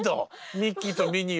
ミッキーとミニーは。